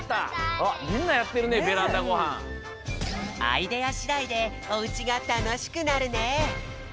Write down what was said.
アイデアしだいでおうちがたのしくなるね！